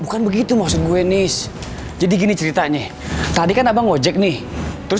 bukan begitu maksud gue nih jadi gini ceritanya tadi kan abang gojek nih terus